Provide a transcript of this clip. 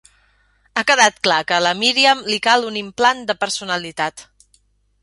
Ha quedat clar que a la Miriam li cal un implant de personalitat.